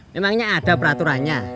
memangnya ada peraturannya